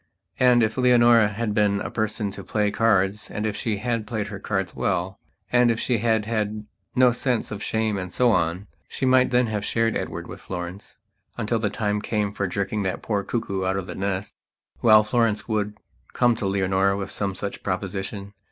And, if Leonora had been a person to play cards and if she had played her cards well, and if she had had no sense of shame and so on, she might then have shared Edward with Florence until the time came for jerking that poor cuckoo out of the nest. Well, Florence would come to Leonora with some such proposition.